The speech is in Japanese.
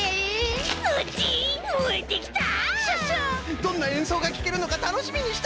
どんなえんそうがきけるのかたのしみにしとるぞい！